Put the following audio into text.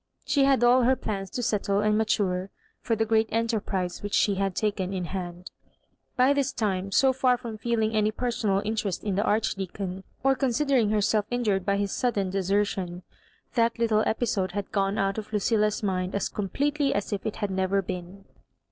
She had all her plans to settle and mature for the great enterprise which she had taken in hand^ %y this time, so far from feeling any personal interest in the Archdeacon, or con sidering herself injured by his sudden desertion, that little episode had gone out of Lucilla's mind as completely as if it had never been.